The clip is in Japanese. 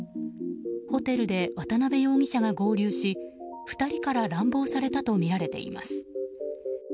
ホテルで渡辺容疑者が合流し２人から乱暴されたとみられています。